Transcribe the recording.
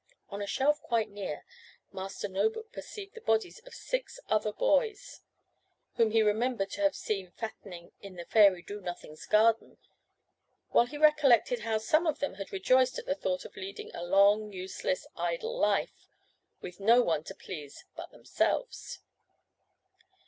On a shelf quite near Master No book perceived the bodies of six other boys, whom he remembered to have seen fattening in the fairy Do nothing's garden, while he recollected how some of them had rejoiced at the thoughts of leading a long, useless, idle life, with no one to please but themselves.